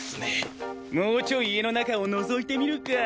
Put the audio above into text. もうちょい家の中をのぞいてみるか。